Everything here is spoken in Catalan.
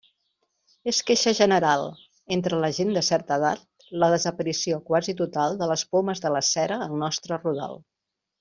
És queixa general entre la gent de certa edat la desaparició quasi total de les pomes de la cera al nostre rodal.